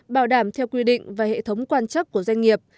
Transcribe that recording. bảo đảm theo quy định và hệ thống quan chắc của doanh nghiệp